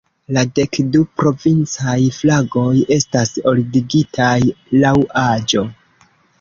La dek du provincaj flagoj estas ordigitaj laŭ aĝo.